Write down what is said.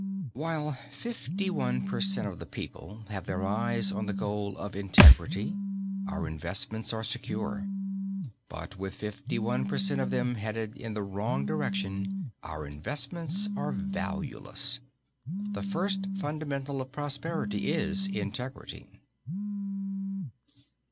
While fifty one per cent of the people have their eyes on the goal of integrity, our investments are secure; but with fifty one per cent of them headed in the wrong direction, our investments are valueless. The first fundamental of prosperity is Integrity.